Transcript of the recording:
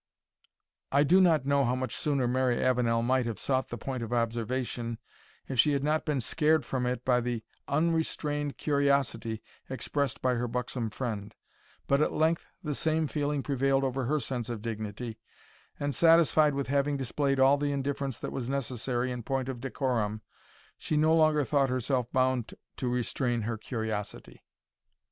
I do not know how much sooner Mary Avenel might have sought the point of observation, if she had not been scared from it by the unrestrained curiosity expressed by her buxom friend; but at length the same feeling prevailed over her sense of dignity, and satisfied with having displayed all the indifference that was necessary in point of decorum, she no longer thought herself bound to restrain her curiosity.